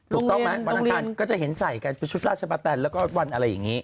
ถูกต้องมั้ยวันอันทางก็จะเห็นใส่ชุดราชประแปลิและก็วันอะไรอย่างนี้